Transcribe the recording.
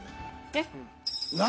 えっ？